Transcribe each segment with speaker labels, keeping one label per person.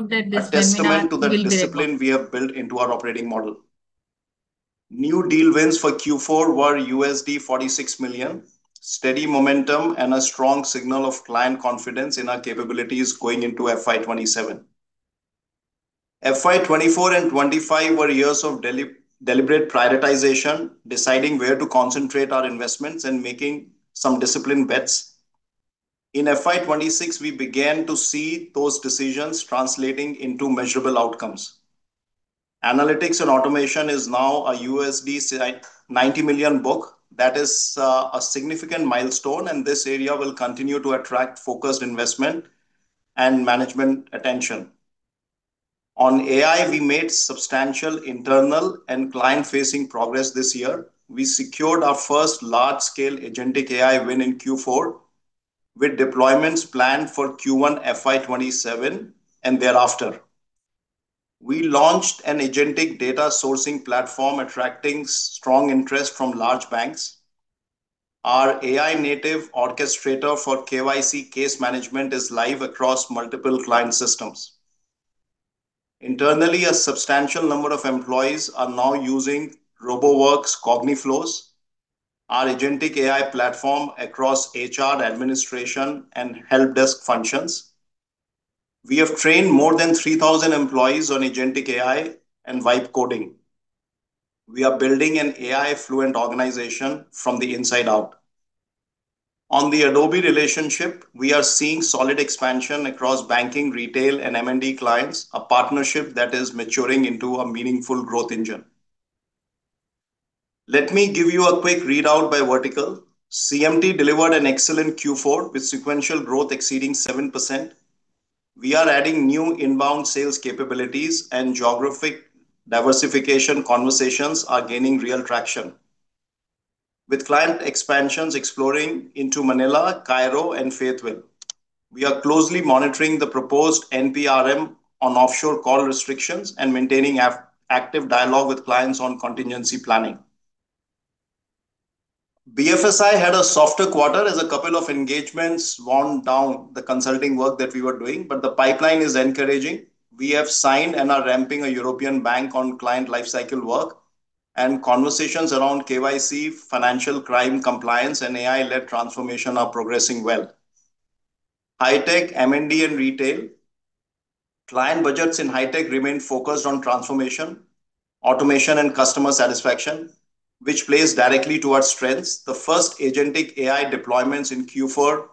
Speaker 1: A testament to the discipline we have built into our operating model. New deal wins for Q4 were $46 million. Steady momentum and a strong signal of client confidence in our capabilities going into FY 2027. FY 2024 and 2025 were years of deliberate prioritization, deciding where to concentrate our investments and making some disciplined bets. In FY 2026, we began to see those decisions translating into measurable outcomes. Analytics and automation is now a $90 million book. That is a significant milestone, and this area will continue to attract focused investment and management attention. On AI, we made substantial internal and client-facing progress this year. We secured our first large-scale agentic AI win in Q4, with deployments planned for Q1 FY 2027 and thereafter. We launched an agentic data sourcing platform attracting strong interest from large banks. Our AI-native orchestrator for KYC case management is live across multiple client systems. Internally, a substantial number of employees are now using Roboworx CogniFlows, our Agentic AI platform across HR administration and help desk functions. We have trained more than 3,000 employees on Agentic AI and vibe coding. We are building an AI-fluent organization from the inside out. On the Adobe relationship, we are seeing solid expansion across banking, retail, and M&D clients, a partnership that is maturing into a meaningful growth engine. Let me give you a quick readout by vertical. CMD delivered an excellent Q4, with sequential growth exceeding 7%. We are adding new inbound sales capabilities and geographic diversification conversations are gaining real traction, with client expansions exploring into Manila, Cairo, and Fayetteville. We are closely monitoring the proposed NPRM on offshore call restrictions and maintaining active dialogue with clients on contingency planning. BFSI had a softer quarter as a couple of engagements wound down the consulting work that we were doing. The pipeline is encouraging. We have signed and are ramping a European bank on Client Lifecycle work. Conversations around KYC, financial crime compliance, and AI-led transformation are progressing well. High Tech, M&D, and Retail. Client budgets in High Tech remain focused on transformation, automation, and customer satisfaction, which plays directly to our strengths. The first Agentic AI deployments in Q4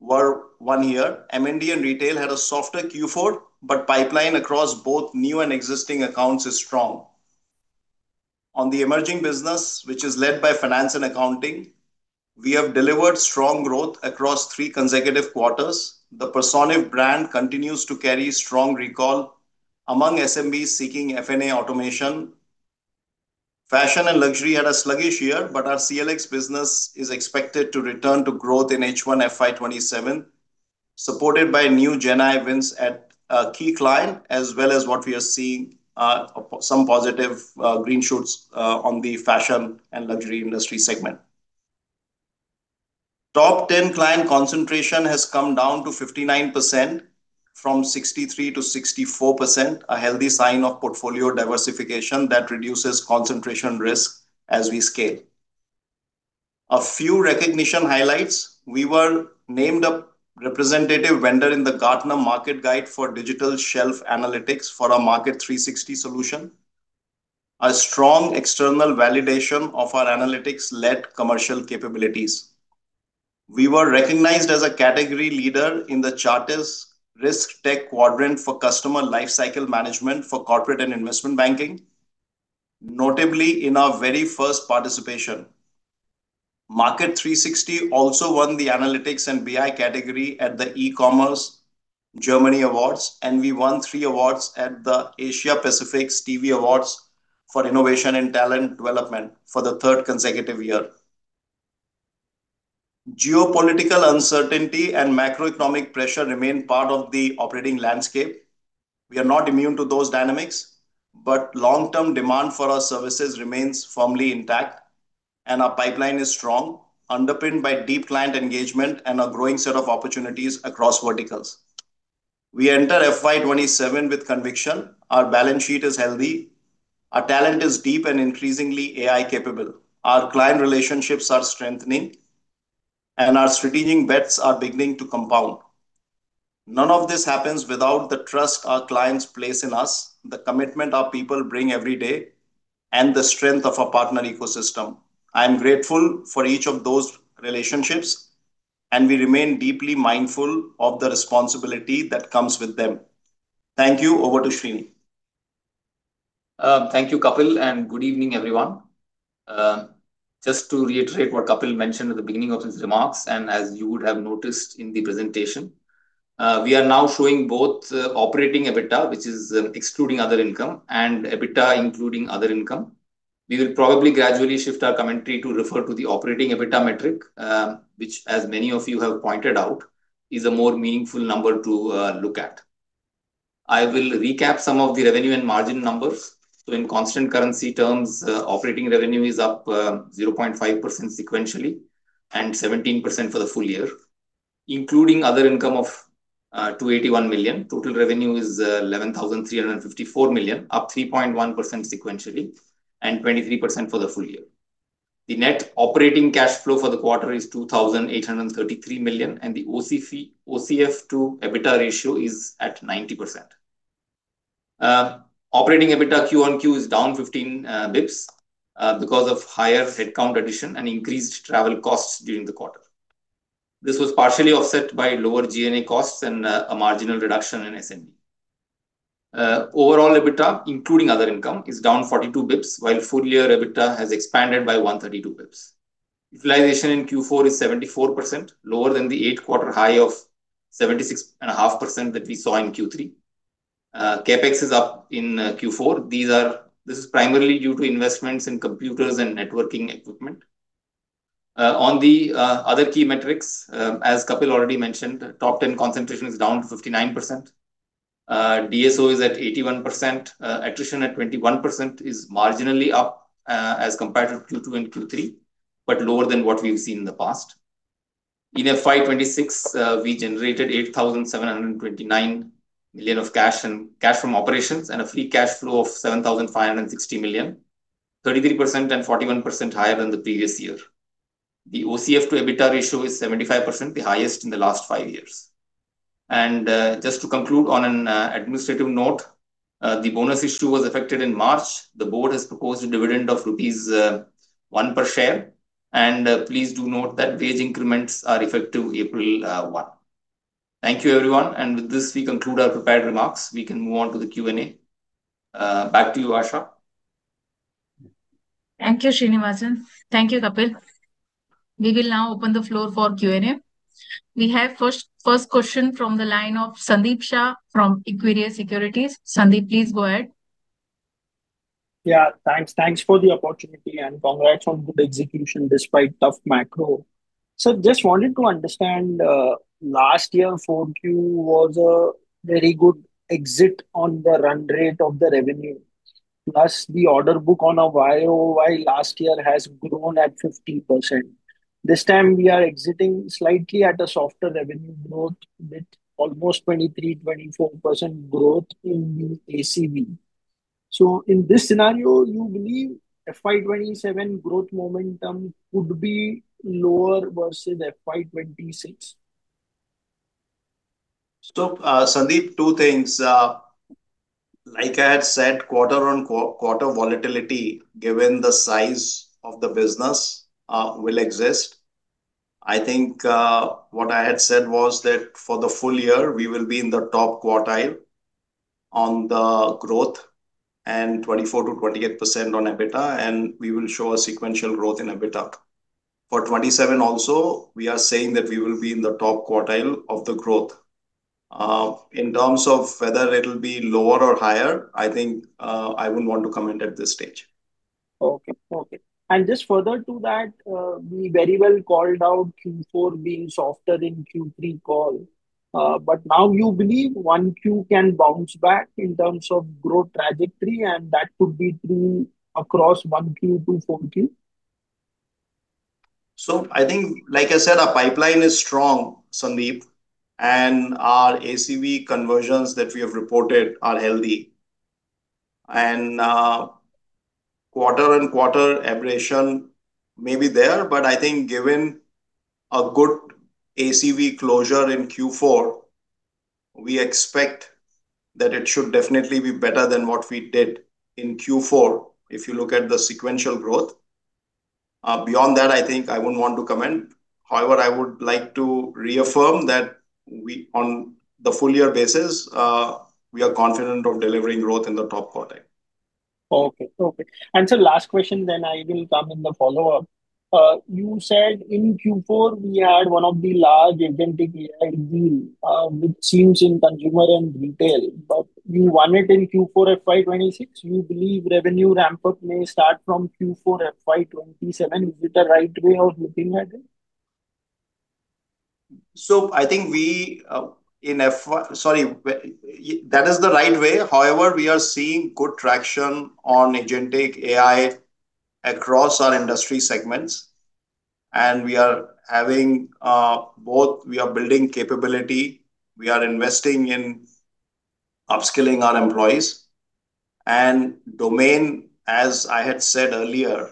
Speaker 1: were won here. M&D and Retail had a softer Q4. Pipeline across both new and existing accounts is strong. On the emerging business, which is led by finance and accounting, we have delivered strong growth across three consecutive quarters. The Personiv brand continues to carry strong recall among SMBs seeking F&A automation. Fashion and luxury had a sluggish year. Our CLX business is expected to return to growth in H1 FY 2027, supported by new GenAI wins at a key client, as well as what we are seeing, some positive green shoots on the fashion and luxury industry segment. Top 10 client concentration has come down to 59% from 63%-64%, a healthy sign of portfolio diversification that reduces concentration risk as we scale. A few recognition highlights. We were named a representative vendor in the Gartner Market Guide for Digital Shelf Analytics for our Market360 solution, a strong external validation of our analytics-led commercial capabilities. We were recognized as a category leader in the Chartis RiskTech Quadrant for Client Lifecycle Management for corporate and investment banking, notably in our very first participation. Market360 also won the analytics and BI category at the E-commerce Germany Awards, and we won three awards at the Asia-Pacific Stevie Awards for innovation and talent development for the third consecutive year. Geopolitical uncertainty and macroeconomic pressure remain part of the operating landscape. We are not immune to those dynamics, but long-term demand for our services remains firmly intact, and our pipeline is strong, underpinned by deep client engagement and a growing set of opportunities across verticals. We enter FY 2027 with conviction. Our balance sheet is healthy. Our talent is deep and increasingly AI-capable. Our client relationships are strengthening, and our strategic bets are beginning to compound. None of this happens without the trust our clients place in us, the commitment our people bring every day, and the strength of our partner ecosystem. I am grateful for each of those relationships, and we remain deeply mindful of the responsibility that comes with them. Thank you. Over to Srini.
Speaker 2: Thank you, Kapil, and good evening, everyone. Just to reiterate what Kapil mentioned at the beginning of his remarks, and as you would have noticed in the presentation, we are now showing both operating EBITDA, which is excluding other income, and EBITDA, including other income. We will probably gradually shift our commentary to refer to the operating EBITDA metric, which, as many of you have pointed out, is a more meaningful number to look at. I will recap some of the revenue and margin numbers. In constant currency terms, operating revenue is up 0.5% sequentially. 17% for the full year, including other income of 281 million. Total revenue is 11,354 million, up 3.1% sequentially and 23% for the full year. The net operating cash flow for the quarter is 2,833 million, and the OCF to EBITDA ratio is at 90%. Operating EBITDA Q-on-Q is down 15 basis points because of higher headcount addition and increased travel costs during the quarter. This was partially offset by lower G&A costs and a marginal reduction in SMB. Overall EBITDA, including other income, is down 42 basis points, while full year EBITDA has expanded by 132 basis points. Utilization in Q4 is 74%, lower than the eight-quarter high of 76.5% that we saw in Q3. CapEx is up in Q4. This is primarily due to investments in computers and networking equipment. On the other key metrics, as Kapil already mentioned, top 10 concentration is down to 59%. DSO is at 81%. Attrition at 21% is marginally up as compared to Q2 and Q3, but lower than what we've seen in the past. In FY 2026, we generated 8,729 million of cash in cash from operations and a free cash flow of 7,560 million, 33% and 41% higher than the previous year. The OCF to EBITDA ratio is 75%, the highest in the last five years. Just to conclude on an administrative note, the bonus issue was affected in March. The board has proposed a dividend of rupees 1 per share. Please do note that wage increments are effective April 1. Thank you, everyone. With this, we conclude our prepared remarks. We can move on to the Q&A. Back to you, Asha.
Speaker 3: Thank you, Srinivasan. Thank you, Kapil. We will now open the floor for Q&A. We have first question from the line of Sandeep Shah from Equirus Securities. Sandeep, please go ahead.
Speaker 4: Yeah. Thanks. Thanks for the opportunity, and congrats on good execution despite tough macro. Just wanted to understand, last year, Q4 was a very good exit on the run rate of the revenue, plus the order book on a YoY last year has grown at 50%. This time we are exiting slightly at a softer revenue growth with almost 23%-24% growth in the ACV. In this scenario, you believe FY 2027 growth momentum could be lower versus FY 2026?
Speaker 1: Sandeep, two things. Like I had said, quarter on quarter volatility, given the size of the business, will exist. I think, what I had said was that for the full year, we will be in the top quartile on the growth and 24%-28% on EBITDA, we will show a sequential growth in EBITDA. For 2027 also, we are saying that we will be in the top quartile of the growth. In terms of whether it'll be lower or higher, I think, I wouldn't want to comment at this stage.
Speaker 4: Okay. Okay. Just further to that, we very well called out Q4 being softer in Q3 call. Now you believe 1Q can bounce back in terms of growth trajectory, and that could be through across 1Q to 4Q?
Speaker 1: I think, like I said, our pipeline is strong, Sandeep, and our ACV conversions that we have reported are healthy. Quarter on quarter aberration may be there, but I think given a good ACV closure in Q4, we expect that it should definitely be better than what we did in Q4, if you look at the sequential growth. Beyond that, I think I wouldn't want to comment. However, I would like to reaffirm that we on the full year basis, we are confident of delivering growth in the top quartile.
Speaker 4: Okay. Okay. Last question then I will come in the follow-up. You said in Q4 we had one of the large Agentic AI deal, which seems in consumer and retail, but you won it in Q4 FY 2026. You believe revenue ramp-up may start from Q4 FY 2027. Is it the right way of looking at it?
Speaker 1: I think we, in FY Sorry, That is the right way. However, we are seeing good traction on Agentic AI across our industry segments, and we are having We are building capability, we are investing in upskilling our employees. domain, as I had said earlier,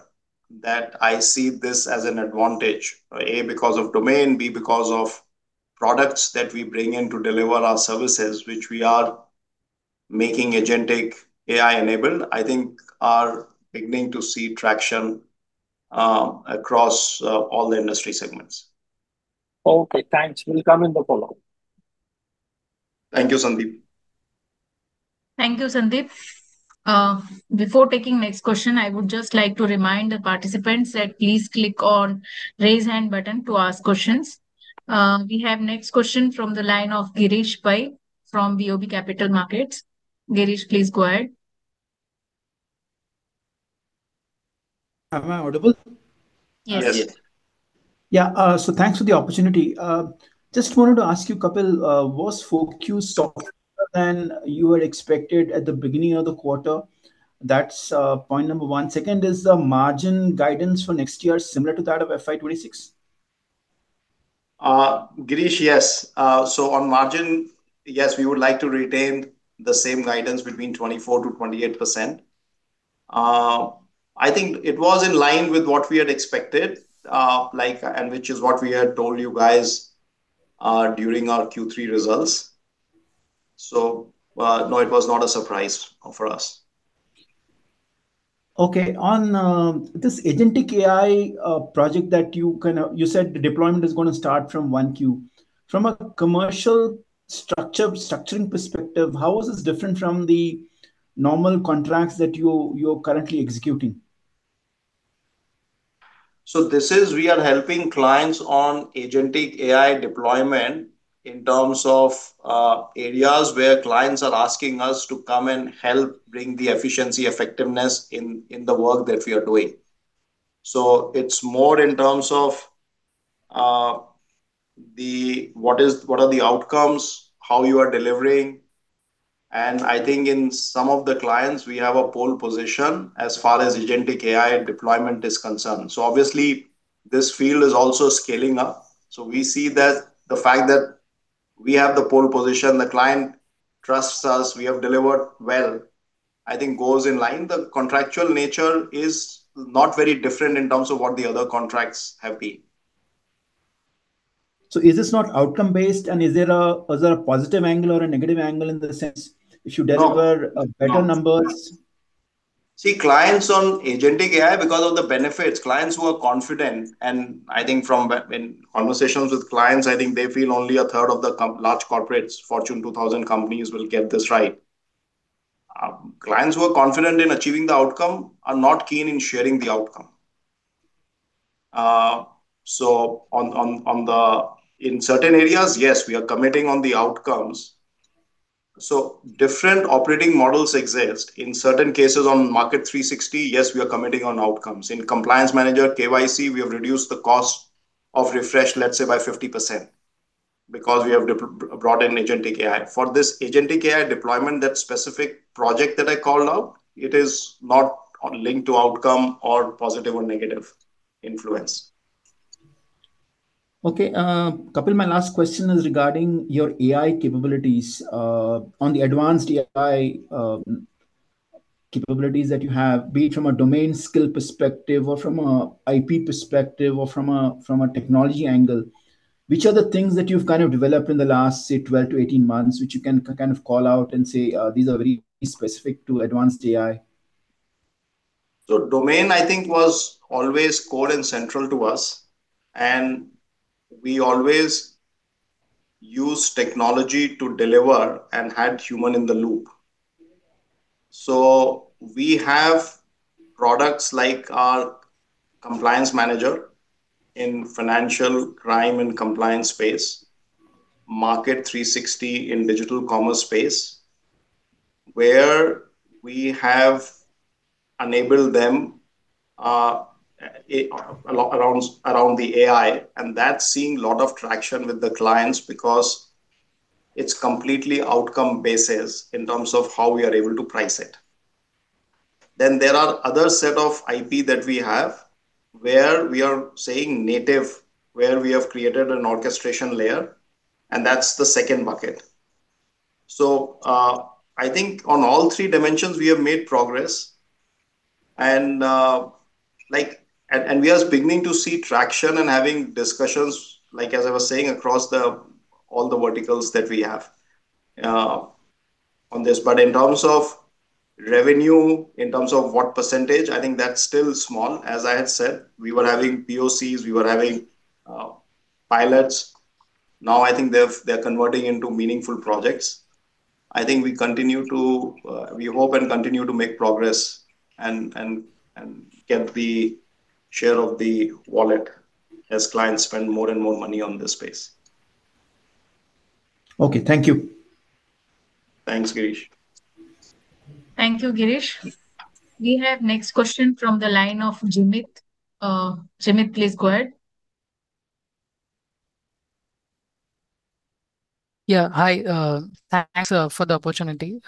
Speaker 1: that I see this as an advantage, A, because of domain, because of products that we bring in to deliver our services, which we are making Agentic AI enabled, I think are beginning to see traction across all the industry segments.
Speaker 4: Okay, thanks. Will come in the follow-up.
Speaker 1: Thank you, Sandeep.
Speaker 3: Thank you, Sandeep. Before taking next question, I would just like to remind the participants that please click on raise hand button to ask questions. We have next question from the line of Girish Pai from BOB Capital Markets. Girish, please go ahead.
Speaker 5: Am I audible?
Speaker 3: Yes.
Speaker 1: Yes.
Speaker 5: Thanks for the opportunity. Just wanted to ask you, Kapil, was Q4 softer than you had expected at the beginning of the quarter. That's point one. Second, is the margin guidance for next year similar to that of FY 2026?
Speaker 1: Girish, yes. On margin, yes, we would like to retain the same guidance between 24%-28%. I think it was in line with what we had expected, like, and which is what we had told you guys, during our Q3 results. No, it was not a surprise, for us.
Speaker 5: Okay. On this Agentic AI project that you said the deployment is gonna start from 1Q. From a commercial structure, structuring perspective, how is this different from the normal contracts that you're currently executing?
Speaker 1: This is we are helping clients on Agentic AI deployment in terms of areas where clients are asking us to come and help bring the efficiency effectiveness in the work that we are doing. It's more in terms of what are the outcomes, how you are delivering. I think in some of the clients we have a pole position as far as Agentic AI deployment is concerned. Obviously, this field is also scaling up. We see that the fact that we have the pole position, the client trusts us, we have delivered well, I think goes in line. The contractual nature is not very different in terms of what the other contracts have been.
Speaker 5: Is this not outcome-based? Is there a positive angle or a negative angle?
Speaker 1: No
Speaker 5: a better numbers?
Speaker 1: Clients on Agentic AI, because of the benefits, clients who are confident, and I think from in conversations with clients, I think they feel only a third of the large corporates, Fortune 2000 companies, will get this right. Clients who are confident in achieving the outcome are not keen in sharing the outcome. In certain areas, yes, we are committing on the outcomes. Different operating models exist. In certain cases on Market360, yes, we are committing on outcomes. In Compliance Manager, KYC, we have reduced the cost of refresh, let's say, by 50% because we have brought in Agentic AI. For this Agentic AI deployment, that specific project that I called out, it is not on link to outcome or positive or negative influence.
Speaker 5: Okay. Kapil, my last question is regarding your AI capabilities. On the advanced AI capabilities that you have, be it from a domain skill perspective or from an IP perspective or from a, from a technology angle, which are the things that you've kind of developed in the last, say, 12-18 months, which you can kind of call out and say, these are very specific to advanced AI?
Speaker 1: Domain, I think, was always core and central to us, and we always use technology to deliver and add human in the loop. We have products like our Compliance Manager in financial crime and compliance space, Market360 in digital commerce space, where we have enabled them around the AI. That's seeing lot of traction with the clients because it's completely outcome basis in terms of how we are able to price it. There are other set of IP that we have where we are saying native, where we have created an orchestration layer, and that's the second bucket. I think on all three dimensions, we have made progress and, like, we are beginning to see traction and having discussions, like as I was saying, across the, all the verticals that we have on this. In terms of revenue, in terms of what percentage, I think that's still small. As I had said, we were having POCs, we were having pilots. Now I think they're converting into meaningful projects. I think we continue to, we hope and continue to make progress and get the share of the wallet as clients spend more and more money on this space.
Speaker 5: Okay. Thank you.
Speaker 1: Thanks, Girish.
Speaker 3: Thank you, Girish. We have next question from the line of Jimit. Jimit, please go ahead.
Speaker 6: Yeah. Hi. Thanks for the opportunity.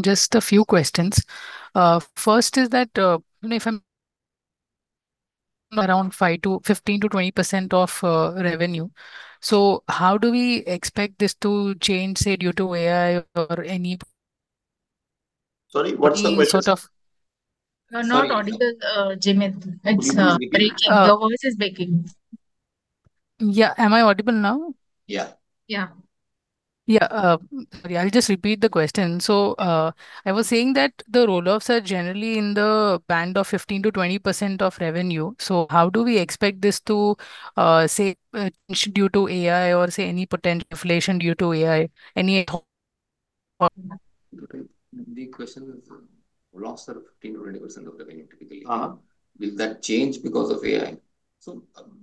Speaker 6: Just a few questions. First is that, even if I'm around 15% to 20% of revenue, how do we expect this to change, say, due to AI or any
Speaker 1: Sorry, what's the question?
Speaker 6: Sort of-
Speaker 3: You're not audible, Jimit. It's breaking. Your voice is breaking.
Speaker 6: Yeah. Am I audible now?
Speaker 1: Yeah.
Speaker 3: Yeah.
Speaker 6: Yeah. I'll just repeat the question. I was saying that the roll-offs are generally in the band of 15%-20% of revenue. How do we expect this to, say, due to AI or, say, any potential deflation due to AI, any
Speaker 1: The question is roll-offs are 15%-20% of the revenue typically.
Speaker 2: Will that change because of AI?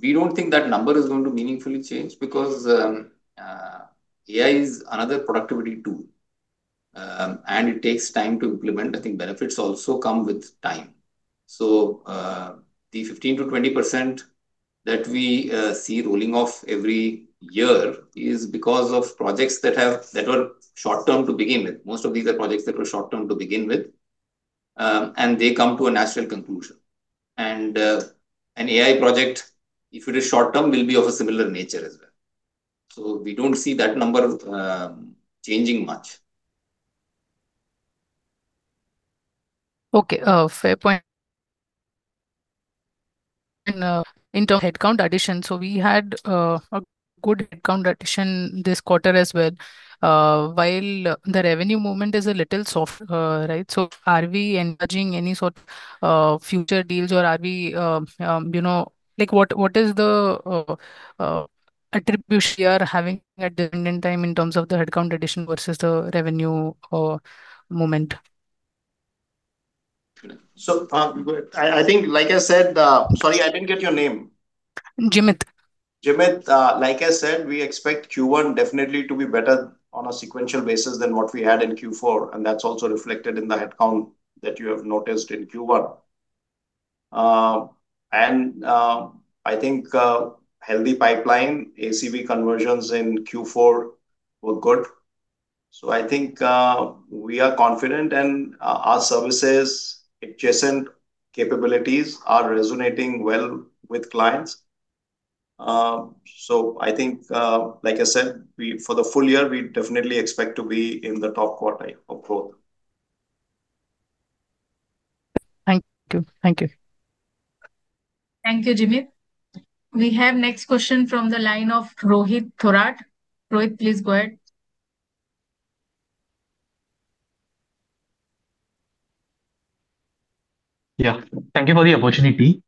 Speaker 2: We don't think that number is going to meaningfully change because AI is another productivity tool, and it takes time to implement. I think benefits also come with time. The 15% to 20% that we see rolling off every year is because of projects that were short-term to begin with. Most of these are projects that were short-term to begin with, and they come to a natural conclusion. An AI project, if it is short-term, will be of a similar nature as well. We don't see that number changing much.
Speaker 6: Okay, fair point. In terms of headcount addition, we had a good headcount addition this quarter as well. While the revenue movement is a little soft, right? Are we engaging any sort future deals or are we, you know Like, what is the attribution you're having at the given time in terms of the headcount addition versus the revenue or moment?
Speaker 1: I think like I said, Sorry, I didn't get your name.
Speaker 6: Jimit.
Speaker 1: Jimit, like I said, we expect Q1 definitely to be better on a sequential basis than what we had in Q4, and that's also reflected in the headcount that you have noticed in Q1. I think healthy pipeline ACV conversions in Q4 were good. I think we are confident and our services adjacent capabilities are resonating well with clients. I think, like I said, for the full year, we definitely expect to be in the top quartile of growth.
Speaker 6: Thank you. Thank you.
Speaker 3: Thank you, Jimit. We have next question from the line of Rohit Thorat. Rohit, please go ahead.
Speaker 7: Yeah. Thank you for the opportunity.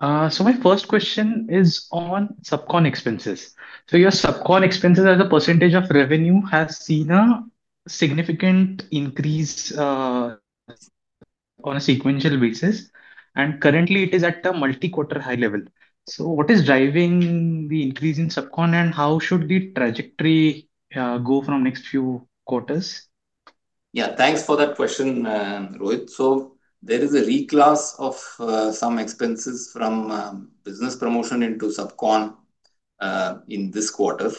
Speaker 7: My first question is on subcon expenses. Your subcon expenses as a percentage of revenue has seen a significant increase on a sequential basis, and currently it is at a multi-quarter high level. What is driving the increase in subcon, and how should the trajectory go from next few quarters?
Speaker 1: Thanks for that question, Rohit. There is a reclass of some expenses from business promotion into subcon in this quarter,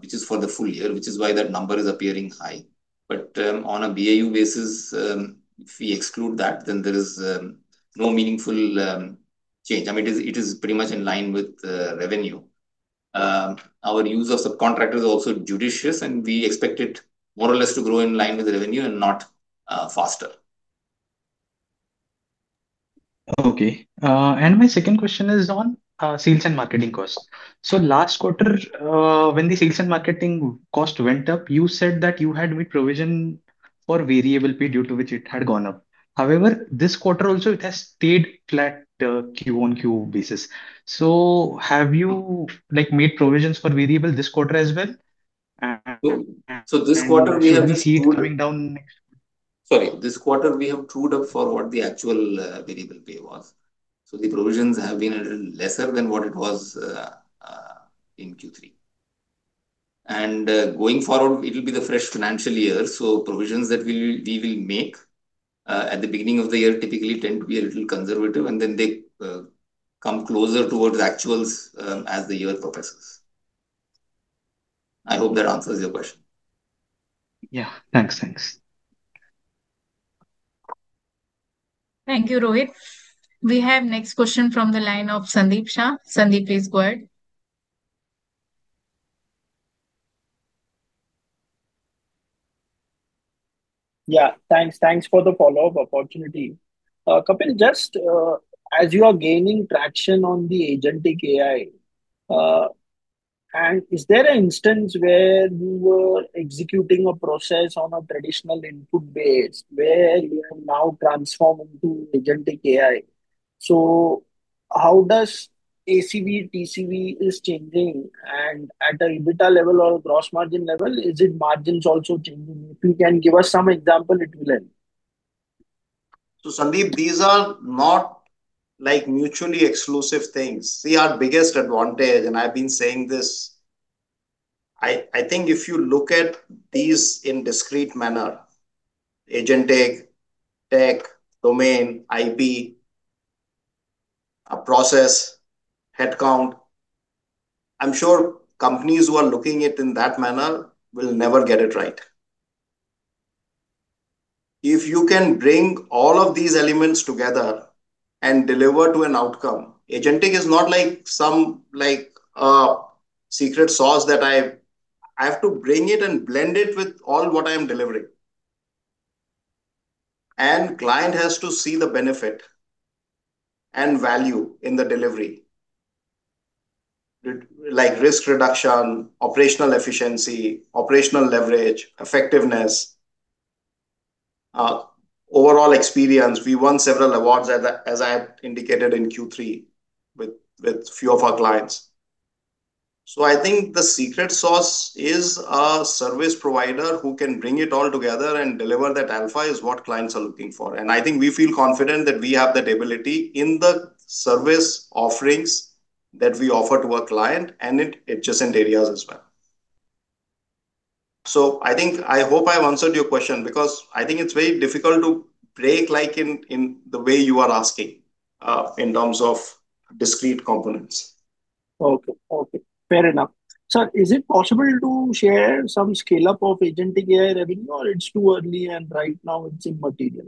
Speaker 1: which is for the full year, which is why that number is appearing high. On a BAU basis, if we exclude that, then there is no meaningful change. I mean, it is, it is pretty much in line with the revenue. Our use of subcontractor is also judicious, and we expect it more or less to grow in line with the revenue and not faster.
Speaker 7: Okay. My second question is on sales and marketing costs. Last quarter, when the sales and marketing cost went up, you said that you had made provision for variable pay due to which it had gone up. However, this quarter also it has stayed flat, Q on Q basis. Have you, like, made provisions for variable this quarter as well? Will we see it coming down next quarter?
Speaker 1: Sorry. This quarter we have trued up for what the actual variable pay was. The provisions have been a little lesser than what it was in Q3. Going forward, it'll be the fresh financial year, so provisions that we will make at the beginning of the year typically tend to be a little conservative, and then they come closer towards actuals as the year progresses. I hope that answers your question.
Speaker 7: Yeah. Thanks. Thanks.
Speaker 3: Thank you, Rohit. We have next question from the line of Sandeep Shah. Sandeep, please go ahead.
Speaker 4: Thanks. Thanks for the follow-up opportunity. Kapil, just as you are gaining traction on the Agentic AI, is there an instance where you were executing a process on a traditional input base where you have now transformed into Agentic AI? How does ACV, TCV is changing? At an EBITDA level or gross margin level, are margins also changing? If you can give us some examples, it will help.
Speaker 1: Sandeep, these are not, like, mutually exclusive things. Our biggest advantage, and I've been saying this, I think if you look at these in discrete manner, Agentic, tech, domain, IP, a process, headcount, I'm sure companies who are looking it in that manner will never get it right. If you can bring all of these elements together and deliver to an outcome Agentic is not like some, like, secret sauce that I have to bring it and blend it with all what I am delivering. Client has to see the benefit and value in the delivery, like risk reduction, operational efficiency, operational leverage, effectiveness, overall experience. We won several awards as I had indicated in Q3 with few of our clients. I think the secret sauce is a service provider who can bring it all together and deliver that alpha is what clients are looking for. I think we feel confident that we have that ability in the service offerings that we offer to our client and in adjacent areas as well. I think I hope I have answered your question because I think it's very difficult to break like in the way you are asking, in terms of discrete components.
Speaker 4: Okay. Okay. Fair enough. Sir, is it possible to share some scale-up of Agentic AI revenue or it's too early and right now it's immaterial?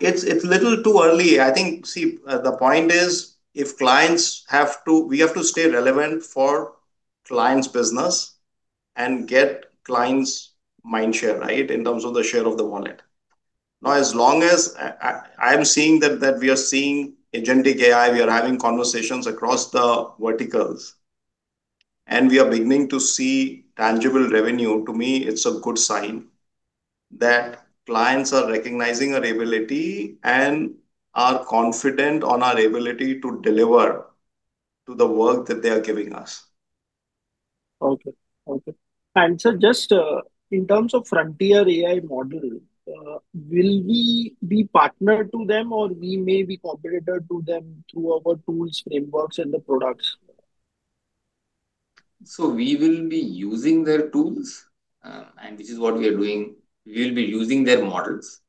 Speaker 1: It's little too early. I think, see, the point is We have to stay relevant for clients' business and get clients' mind share, right. In terms of the share of the wallet. Now, as long as I'm seeing that we are seeing Agentic AI, we are having conversations across the verticals and we are beginning to see tangible revenue, to me it's a good sign that clients are recognizing our ability and are confident on our ability to deliver to the work that they are giving us.
Speaker 4: Okay. Okay. Just in terms of frontier AI model, will we be partnered to them or we may be competitor to them through our tools, frameworks and the products?
Speaker 1: We will be using their tools. This is what we are doing. We will be using their models.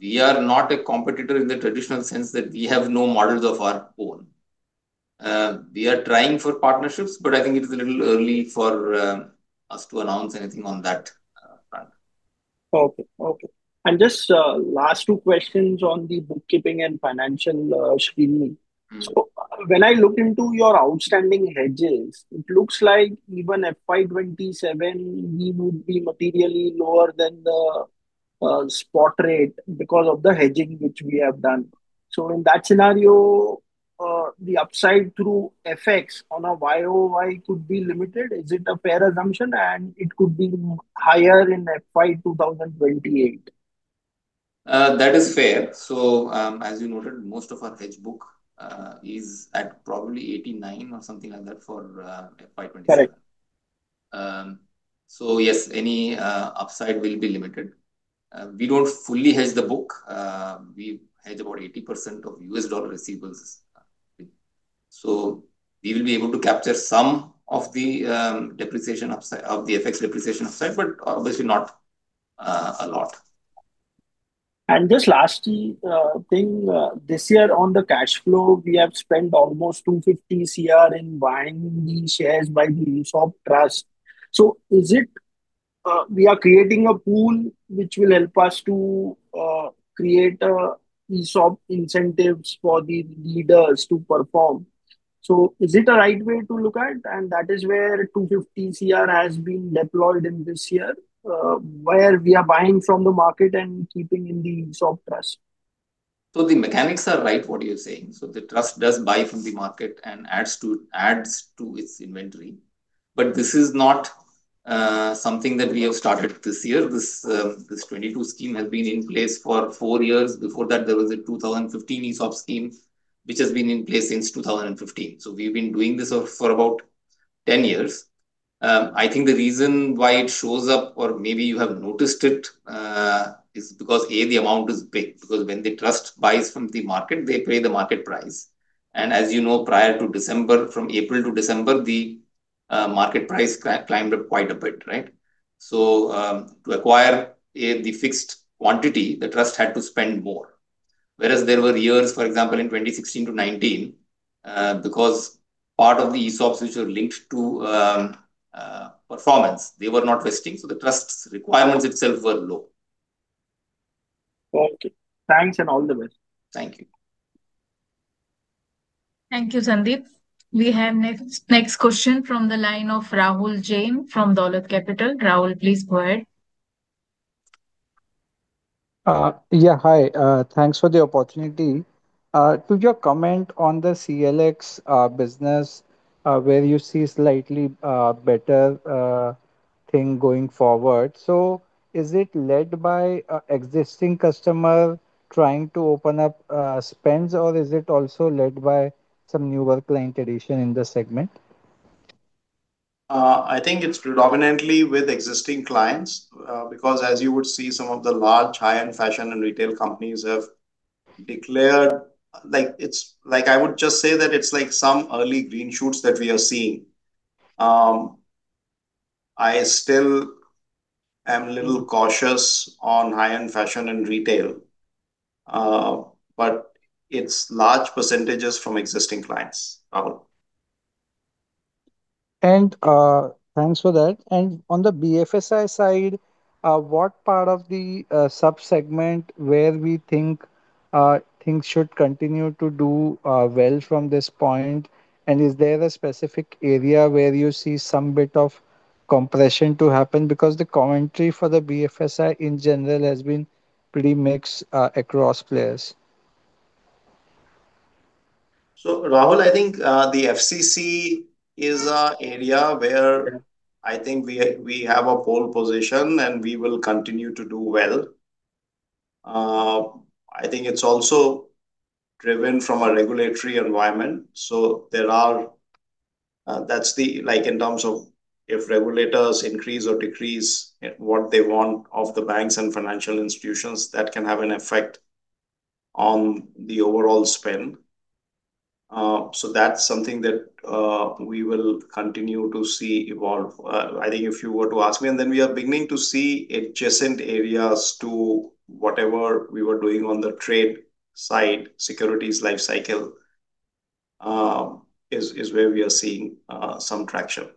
Speaker 1: We are not a competitor in the traditional sense that we have no models of our own. We are trying for partnerships, but I think it is a little early for us to announce anything on that front.
Speaker 4: Okay. Okay. Just last two questions on the bookkeeping and financial screening. When I look into your outstanding hedges, it looks like even FY 2027, we would be materially lower than the spot rate because of the hedging which we have done. In that scenario, the upside through FX on a year-over-year could be limited. Is it a fair assumption and it could be higher in FY 2028?
Speaker 1: That is fair. As you noted, most of our hedge book is at probably 89 or something like that for FY 2027.
Speaker 4: Correct.
Speaker 1: Yes, any upside will be limited. We don't fully hedge the book. We hedge about 80% of U.S. dollar receivables. We will be able to capture some of the depreciation upside of the FX depreciation upside, but obviously not a lot.
Speaker 4: Just last thing. This year on the cash flow, we have spent almost 250 crore in buying the shares by the ESOP trust. Is it we are creating a pool which will help us to create ESOP incentives for the leaders to perform? Is it a right way to look at, and that is where 250 crore has been deployed in this year, where we are buying from the market and keeping in the ESOP trust?
Speaker 1: The mechanics are right what you're saying. The trust does buy from the market and adds to its inventory. This is not something that we have started this year. This 2022 scheme has been in place for four years. Before that there was a 2015 ESOP scheme which has been in place since 2015. We've been doing this for about 10 years. I think the reason why it shows up or maybe you have noticed it is because, A, the amount is big. Because when the trust buys from the market, they pay the market price. As you know, prior to December, from April to December, the market price climbed up quite a bit, right? To acquire the fixed quantity, the trust had to spend more. There were years, for example, in 2016-2019, because part of the ESOPs which were linked to performance, they were not vesting, so the trust's requirements itself were low.
Speaker 4: Okay. Thanks and all the best.
Speaker 1: Thank you.
Speaker 3: Thank you, Sandeep. We have next question from the line of Rahul Jain from Dolat Capital. Rahul, please go ahead.
Speaker 8: Yeah, hi. Thanks for the opportunity. Could you comment on the CLX business, where you see slightly better thing going forward? Is it led by existing customer trying to open up spends or is it also led by some new work line addition in the segment?
Speaker 1: I think it's predominantly with existing clients, because as you would see some of the large high-end fashion and retail companies have declared Like, I would just say that it's like some early green shoots that we are seeing. I still am a little cautious on high-end fashion and retail, but it's large percentages from existing clients, Rahul.
Speaker 8: Thanks for that. On the BFSI side, what part of the sub-segment where we think things should continue to do well from this point? Is there a specific area where you see some bit of compression to happen? The commentary for the BFSI in general has been pretty mixed across players.
Speaker 1: Rahul, I think, the FCC is a area where I think we have a pole position and we will continue to do well. I think it's also driven from a regulatory environment. There are that's the like, in terms of if regulators increase or decrease what they want of the banks and financial institutions, that can have an effect on the overall spend. That's something that we will continue to see evolve. I think we are beginning to see adjacent areas to whatever we were doing on the trade side, securities lifecycle, is where we are seeing some traction.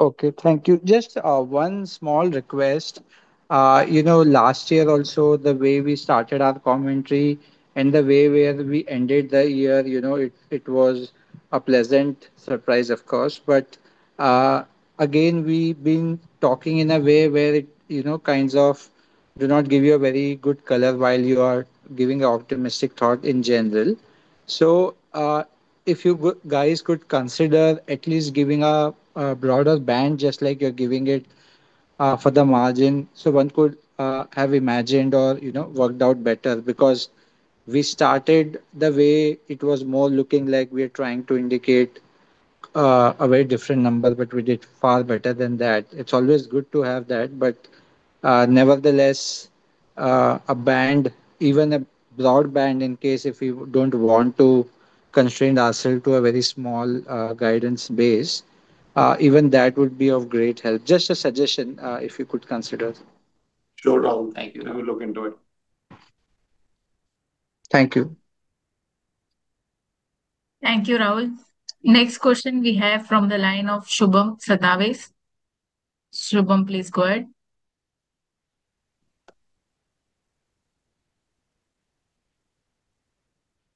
Speaker 8: Okay, thank you. Just one small request. You know, last year also the way we started our commentary and the way where we ended the year, you know, it was a pleasant surprise of course. Again, we've been talking in a way where it, you know, kinds of do not give you a very good color while you are giving a optimistic thought in general. If you guys could consider at least giving a broader band just like you're giving it for the margin, so one could have imagined or, you know, worked out better. We started the way it was more looking like we are trying to indicate a very different number, but we did far better than that. It's always good to have that. Nevertheless, a band, even a broad band in case if you don't want to constrain ourselves to a very small guidance base, even that would be of great help. Just a suggestion, if you could consider.
Speaker 1: Sure, Rahul.
Speaker 2: Thank you.
Speaker 1: We will look into it.
Speaker 8: Thank you.
Speaker 3: Thank you, Rahul. Next question we have from the line of Shubham Sadavarte. Shubham, please go ahead.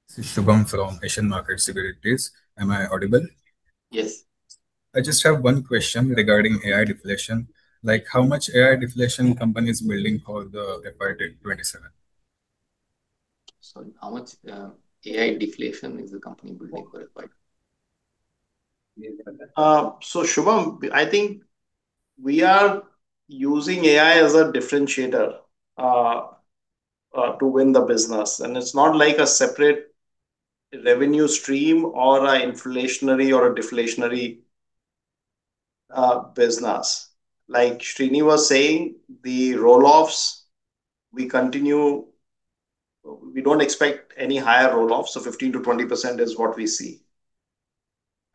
Speaker 9: This is Shubham from Asian Market Securities. Am I audible?
Speaker 1: Yes.
Speaker 9: I just have one question regarding AI deflation. Like, how much AI deflation company is building for the FY 2027?
Speaker 2: Sorry, how much AI deflation is the company building for FY 2027?
Speaker 1: Shubham, I think we are using AI as a differentiator to win the business. It's not like a separate revenue stream or an inflationary or a deflationary business. Like Srini was saying, the roll-offs, we don't expect any higher roll-offs. 15%-20% is what we see.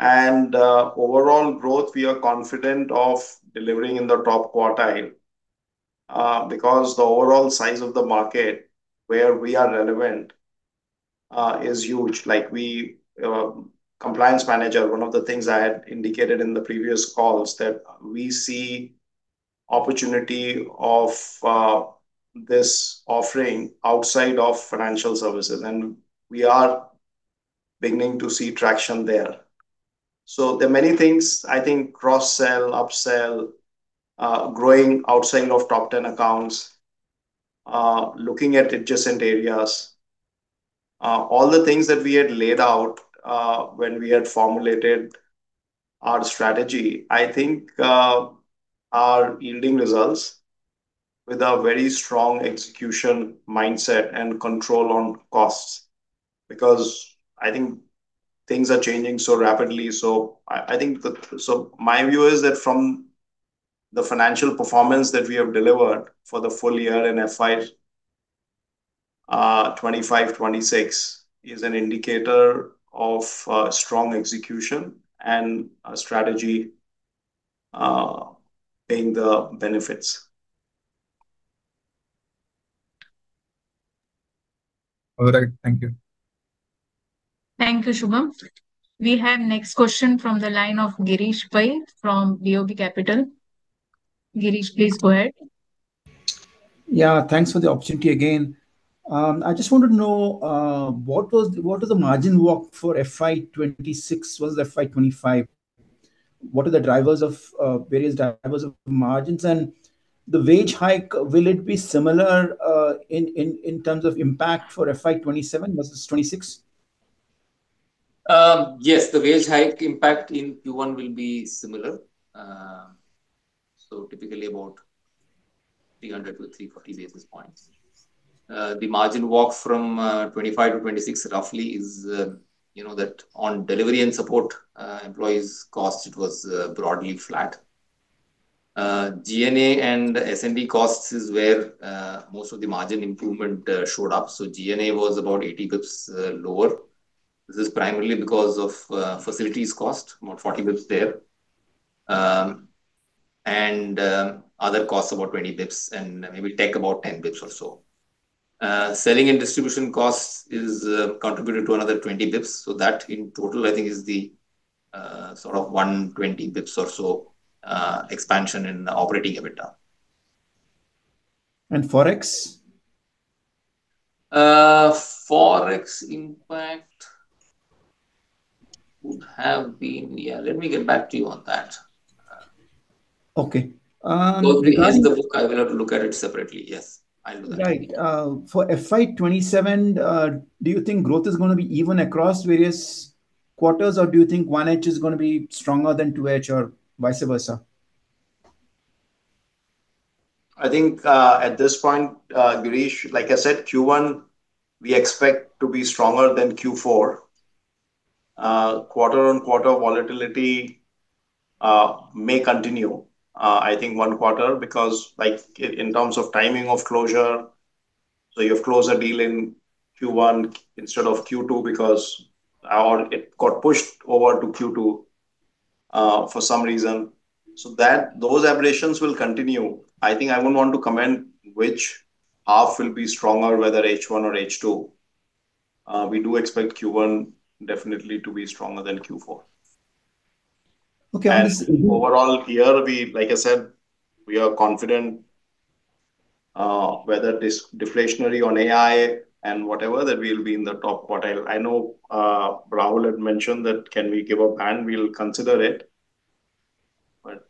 Speaker 1: Overall growth, we are confident of delivering in the top quartile because the overall size of the market where we are relevant is huge. Like we, Compliance Manager, one of the things I had indicated in the previous calls that we see opportunity of this offering outside of financial services, and we are beginning to see traction there. There are many things, I think cross-sell, up-sell, growing outside of top 10 accounts, looking at adjacent areas. All the things that we had laid out, when we had formulated our strategy, I think, are yielding results with a very strong execution mindset and control on costs. I think things are changing so rapidly. My view is that from the financial performance that we have delivered for the full year in FY 2025/2026 is an indicator of strong execution and our strategy paying the benefits.
Speaker 9: All right. Thank you.
Speaker 3: Thank you, Shubham. We have next question from the line of Girish Pai from BOB Capital. Girish, please go ahead.
Speaker 5: Yeah, thanks for the opportunity again. I just want to know what is the margin walk for FY 2026 versus FY 2025? What are the drivers of various drivers of margins? The wage hike, will it be similar in terms of impact for FY 2027 versus 2026?
Speaker 2: Yes, the wage hike impact in Q1 will be similar. Typically about 300 to 340 basis points. The margin walk from 2025 to 2026 roughly is, you know, that on delivery and support employees cost, it was broadly flat. G&A and S&D costs is where most of the margin improvement showed up. G&A was about 80 basis points lower. This is primarily because of facilities cost, about 40 basis points there. Other costs about 20 basis points and maybe tech about 10 basis points or so. Selling and distribution costs is contributed to another 20 basis points. That in total, I think is the sort of 120 basis points or so expansion in operating EBITDA.
Speaker 5: Forex?
Speaker 2: Forex impact would have been Yeah, let me get back to you on that.
Speaker 5: Okay.
Speaker 2: Because it is the book, I will have to look at it separately. Yes, I'll do that.
Speaker 5: Right. For FY 2027, do you think growth is gonna be even across various quarters, or do you think Q1 is gonna be stronger than Q2 or vice versa?
Speaker 1: I think, at this point, Girish, like I said, Q1 we expect to be stronger than Q4. Quarter-on-quarter volatility may continue, I think one quarter because, like, in terms of timing of closure, so you have closed a deal in Q1 instead of Q2 because, or it got pushed over to Q2 for some reason. Those aberrations will continue. I think I wouldn't want to comment which half will be stronger, whether H1 or H2. We do expect Q1 definitely to be stronger than Q4.
Speaker 5: Okay. I understand.
Speaker 1: Overall here like I said, we are confident, whether it is deflationary on AI and whatever, that we'll be in the top quartile. I know Rahul had mentioned that can we give a band, we'll consider it.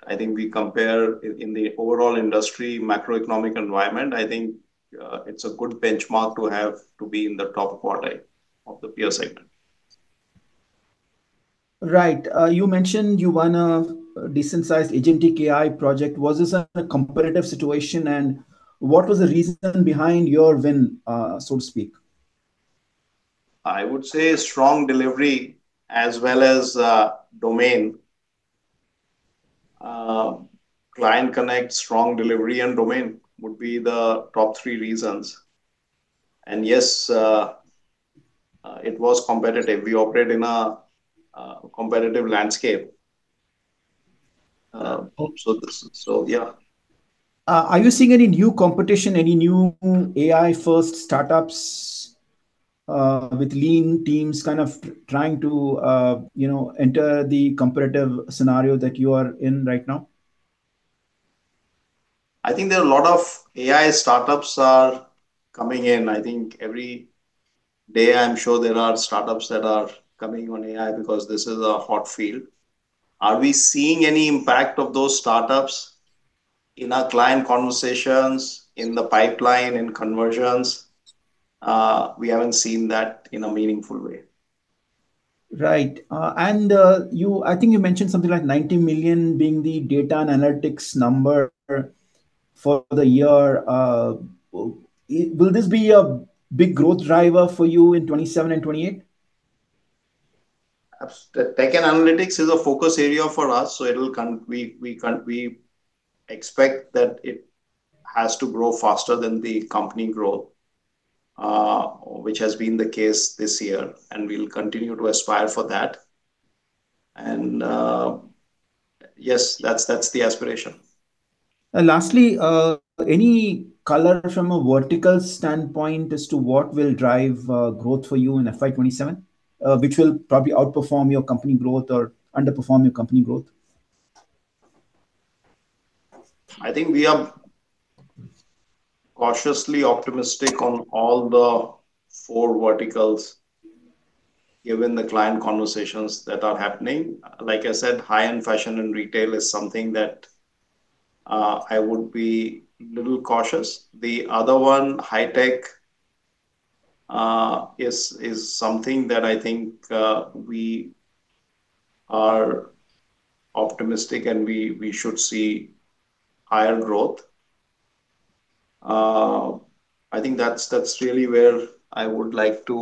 Speaker 1: I think we compare in the overall industry macroeconomic environment, I think, it's a good benchmark to have to be in the top quartile of the peer segment.
Speaker 5: Right. You mentioned you won a decent-sized Agentic AI project. Was this a competitive situation, and what was the reason behind your win, so to speak?
Speaker 1: I would say strong delivery as well as domain. Client connect, strong delivery and domain would be the top three reasons. Yes, it was competitive. We operate in a competitive landscape. Yeah.
Speaker 5: Are you seeing any new competition, any new AI-first startups, with lean teams kind of trying to, you know, enter the competitive scenario that you are in right now?
Speaker 1: I think there are a lot of AI startups are coming in. I think every day I'm sure there are startups that are coming on AI because this is a hot field. Are we seeing any impact of those startups in our client conversations, in the pipeline, in conversions? We haven't seen that in a meaningful way.
Speaker 5: Right. I think you mentioned something like 90 million being the data and analytics number for the year. Will this be a big growth driver for you in 2027 and 2028?
Speaker 1: Tech and analytics is a focus area for us. We expect that it has to grow faster than the company growth, which has been the case this year, and we'll continue to aspire for that. Yes, that's the aspiration.
Speaker 5: Lastly, any color from a vertical standpoint as to what will drive growth for you in FY 2027, which will probably outperform your company growth or underperform your company growth?
Speaker 1: I think we are cautiously optimistic on all the four verticals, given the client conversations that are happening. Like I said, high-end fashion and retail is something that I would be a little cautious. The other one, high tech, is something that I think we are optimistic and we should see higher growth. I think that's really where I would like to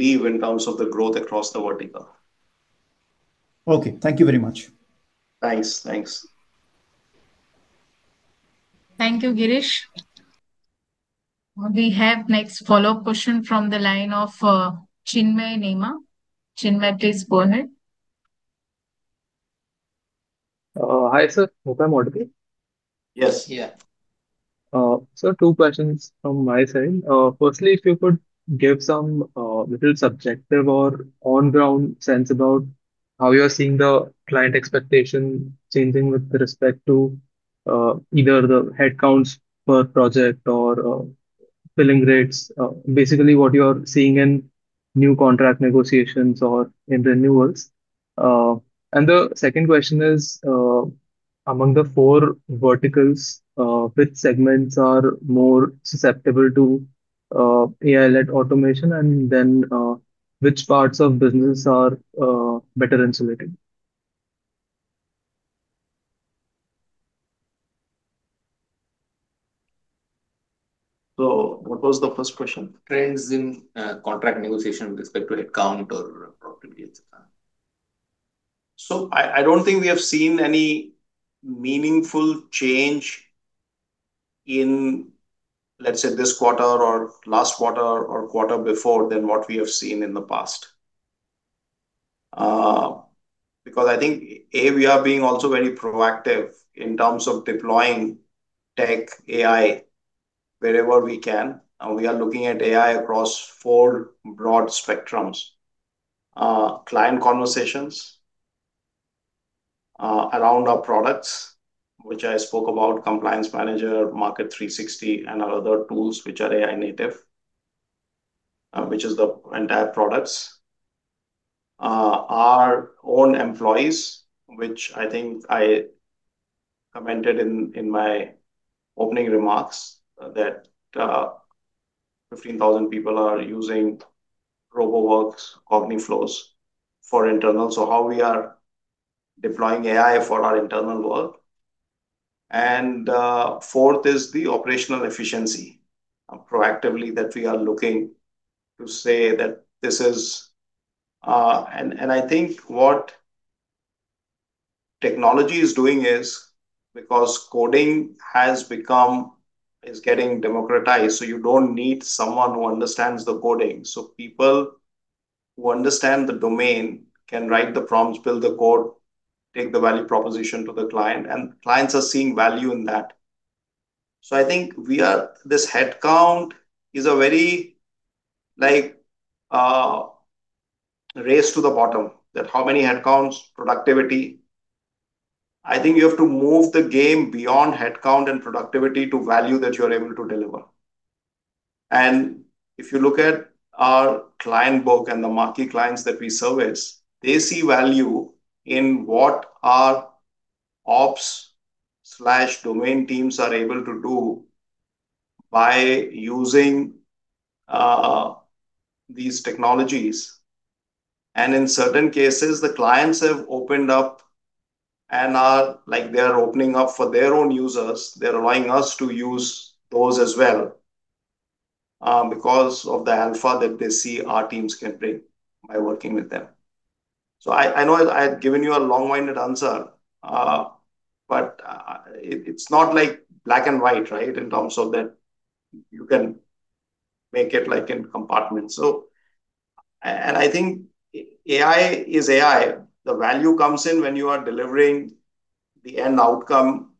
Speaker 1: leave in terms of the growth across the vertical.
Speaker 5: Okay. Thank you very much.
Speaker 1: Thanks. Thanks.
Speaker 3: Thank you, Girish. We have next follow-up question from the line of Chinmay Nema. Chinmay, please go ahead.
Speaker 10: Hi, s ir. Hope I'm audible.
Speaker 1: Yes.
Speaker 2: Yeah.
Speaker 10: Sir, two questions from my side. Firstly, if you could give some little subjective or on-ground sense about how you are seeing the client expectation changing with respect to either the headcounts per project or billing rates. Basically what you are seeing in new contract negotiations or in renewals. The second question is, among the four verticals, which segments are more susceptible to AI-led automation, and then, which parts of business are better insulated?
Speaker 1: What was the first question?
Speaker 10: Trends in contract negotiation with respect to headcount or productivity, et cetera.
Speaker 1: I don't think we have seen any meaningful change in, let's say, this quarter or last quarter or quarter before than what we have seen in the past. Because I think, A, we are being also very proactive in terms of deploying tech, AI wherever we can. We are looking at AI across four broad spectrums: client conversations, around our products, which I spoke about, Compliance Manager, Market360, and our other tools which are AI native, which is the entire products. Our own employees, which I think I commented in my opening remarks, that 15,000 people are using Roboworx, CogniFlows for internal. How we are deploying AI for our internal work. And fourth is the operational efficiency proactively that we are looking to say that this is. I think what technology is doing is because coding is getting democratized, so you don't need someone who understands the coding. People who understand the domain can write the prompts, build the code, take the value proposition to the client, and clients are seeing value in that. I think this headcount is a very race to the bottom, that how many headcounts, productivity. I think you have to move the game beyond headcount and productivity to value that you're able to deliver. If you look at our client book and the marquee clients that we service, they see value in what our ops/domain teams are able to do by using these technologies. In certain cases, the clients have opened up and are, like, they are opening up for their own users. They're allowing us to use those as well, because of the alpha that they see our teams can bring by working with them. I know I've given you a long-winded answer, but it's not like black and white, right, in terms of that you can make it like in compartments, so. I think AI is AI. The value comes in when you are delivering the end outcome.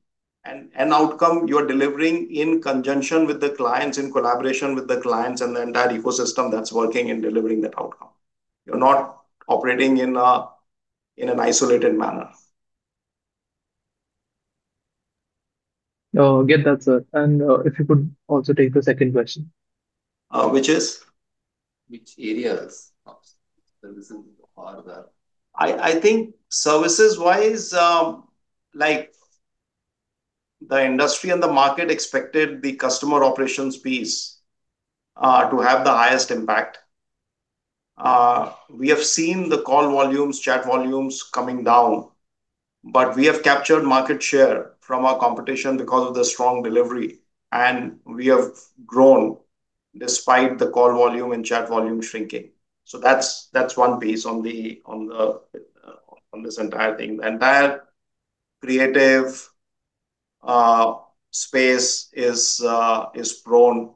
Speaker 1: End outcome you're delivering in conjunction with the clients, in collaboration with the clients and the entire ecosystem that's working in delivering that outcome. You're not operating in an isolated manner.
Speaker 10: No, I get that, sir. If you could also take the second question.
Speaker 1: Which is?
Speaker 10: Which areas of services are the-
Speaker 1: I think services-wise, the industry and the market expected the customer operations piece to have the highest impact. We have seen the call volumes, chat volumes coming down, we have captured market share from our competition because of the strong delivery, we have grown despite the call volume and chat volume shrinking. That's one piece on the entire thing. The entire creative space is prone,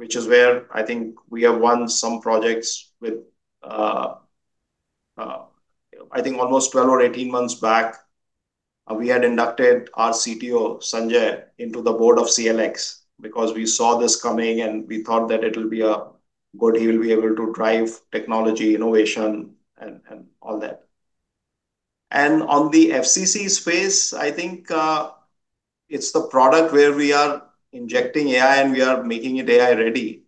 Speaker 1: which is where I think we have won some projects with I think almost 12 or 18 months back, we had inducted our CTO, Sanjay, into the board of CLX because we saw this coming, we thought that it'll be good. He will be able to drive technology, innovation and all that. On the FCC space, I think, it's the product where we are injecting AI, and we are making it AI-ready.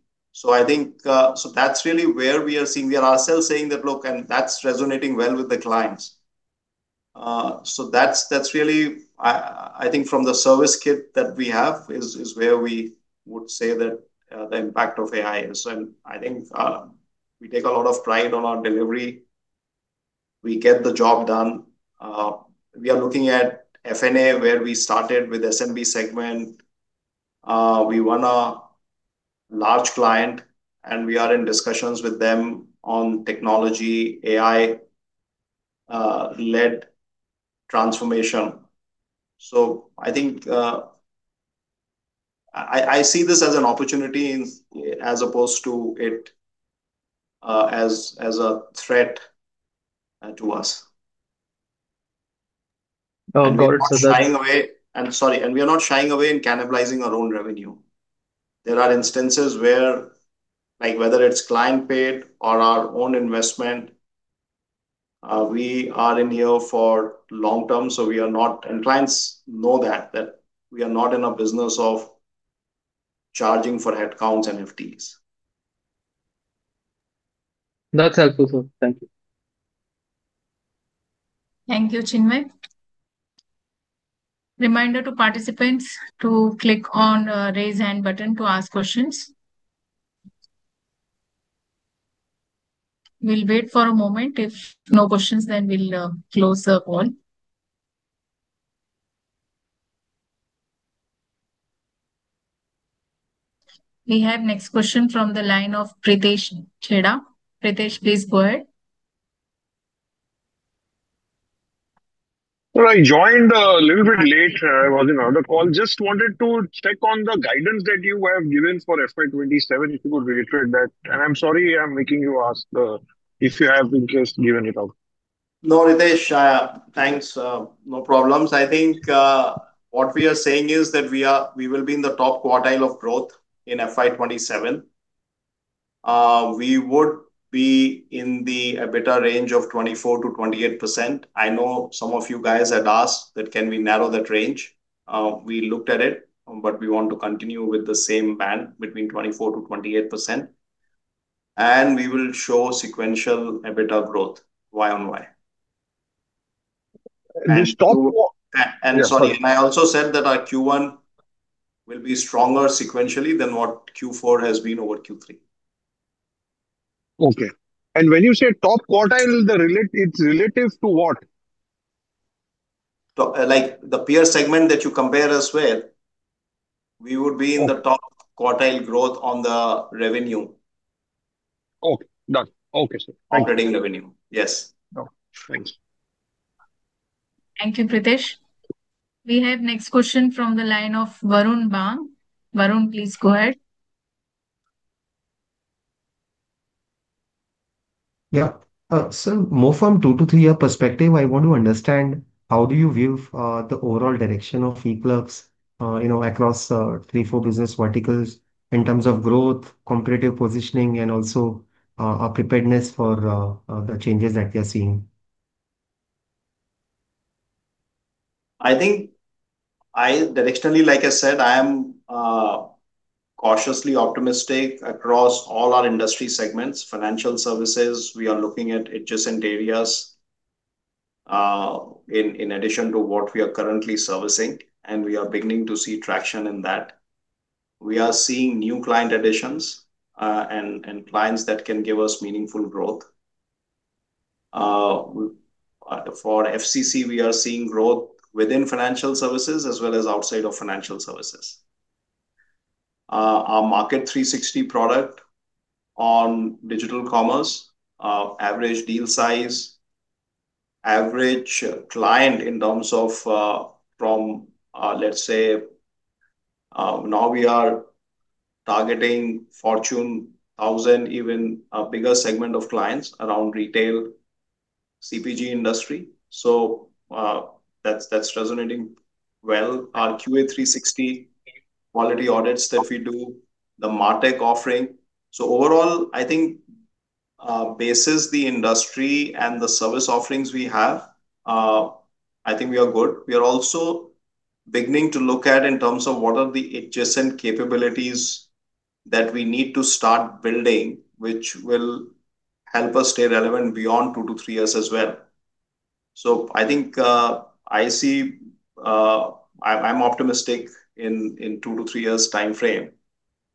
Speaker 1: I think, that's really where we are seeing. We are ourselves saying that, look, and that's resonating well with the clients. That's really, I think from the service kit that we have is where we would say that the impact of AI is. I think, we take a lot of pride on our delivery. We get the job done. We are looking at F&A, where we started with SMB segment. We won a large client, and we are in discussions with them on technology, AI, led transformation. I think, I see this as an opportunity as opposed to it as a threat to us.
Speaker 10: Oh, got it, sir.
Speaker 1: We are not shying away in cannibalizing our own revenue. There are instances where, like, whether it's client-paid or our own investment, we are in here for long term. Clients know that we are not in a business of charging for headcounts and FTEs.
Speaker 10: That's helpful, sir. Thank you.
Speaker 3: Thank you, Chinmay. Reminder to participants to click on Raise Hand button to ask questions. We'll wait for a moment. If no questions, then we'll close the call. We have next question from the line of Pritesh Chheda. Pritesh, please go ahead.
Speaker 11: Well, I joined a little bit late. I was in another call. Just wanted to check on the guidance that you have given for FY 2027, if you could reiterate that. I'm sorry I'm making you ask if you have just given it out.
Speaker 1: No, Pritesh. Thanks. No problems. I think, what we are saying is that we will be in the top quartile of growth in FY 2027. We would be in the EBITDA range of 24%-28%. I know some of you guys had asked that can we narrow that range. We looked at it, but we want to continue with the same band between 24%-28%. We will show sequential EBITDA growth year-on-year.
Speaker 11: This talk-
Speaker 1: Sorry, I also said that our Q1 will be stronger sequentially than what Q4 has been over Q3.
Speaker 11: Okay. When you say top quartile, it's relative to what?
Speaker 1: To, like, the peer segment that you compare us with, we would be.
Speaker 11: Okay
Speaker 1: in the top quartile growth on the revenue.
Speaker 11: Okay. Done. Okay, sir. Thank you.
Speaker 1: Recurring revenue. Yes.
Speaker 11: Oh, thanks.
Speaker 3: Thank you, Pritesh. We have next question from the line of Varun Bang. Varun, please go ahead.
Speaker 12: Yeah. More from two to three year perspective, I want to understand how do you view the overall direction of eClerx, you know, across three to four business verticals in terms of growth, competitive positioning and also our preparedness for the changes that we are seeing?
Speaker 1: I think I directionally, like I said, I am cautiously optimistic across all our industry segments. Financial services, we are looking at adjacent areas in addition to what we are currently servicing, and we are beginning to see traction in that. We are seeing new client additions and clients that can give us meaningful growth. For FCC, we are seeing growth within financial services as well as outside of financial services. Our Market360 product on digital commerce, average deal size, average client in terms of from, let's say, now we are targeting Fortune 1000, even a bigger segment of clients around retail CPG industry. That's resonating well. Our QA360 quality audits that we do, the MarTech offering. Overall, I think, basis the industry and the service offerings we have, I think we are good. We are also beginning to look at in terms of what are the adjacent capabilities that we need to start building, which will help us stay relevant beyond two to three years as well. I think, I see, I'm optimistic in two to three years timeframe.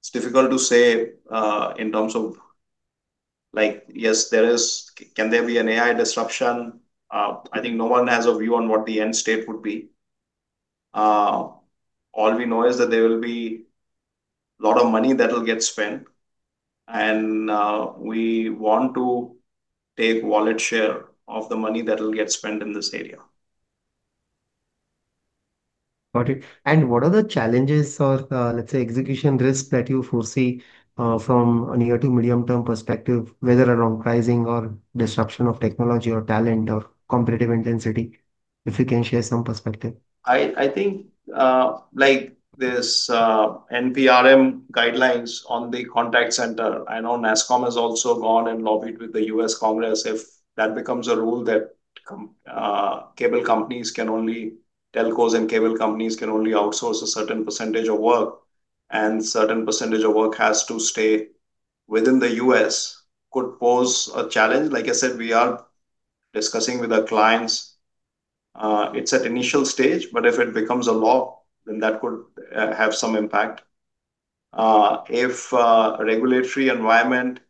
Speaker 1: It's difficult to say, in terms of, like, can there be an AI disruption? I think no one has a view on what the end state would be. All we know is that there will be a lot of money that will get spent, and we want to take wallet share of the money that will get spent in this area.
Speaker 12: Got it. What are the challenges or, let's say, execution risks that you foresee, from a near to medium term perspective, whether around pricing or disruption of technology or talent or competitive intensity? If you can share some perspective.
Speaker 1: I think, like this NPRM guidelines on the contact center, I know NASSCOM has also gone and lobbied with the U.S. Congress. If that becomes a rule that telcos and cable companies can only outsource a certain percentage of work and certain percentage of work has to stay within the U.S. could pose a challenge. Like I said, we are discussing with our clients. It's at initial stage, but if it becomes a law, then that could have some impact. If regulatory environment,